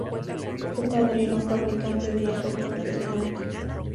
Su padre era un fabricante de hierro protestante.